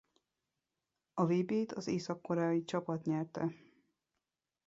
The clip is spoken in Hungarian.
A vb-t az észak-koreai csapat nyerte.